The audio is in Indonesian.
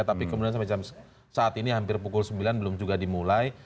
tapi kemudian sampai saat ini hampir pukul sembilan belum juga dimulai